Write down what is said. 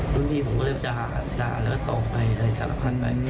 รุ่นพี่ผมก็เลยด่าด่าแล้วก็ตกไปอะไรสารพันธุ์ไป